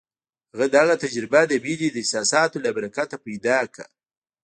هغه دغه تجربه د مينې د احساساتو له برکته پيدا کړه.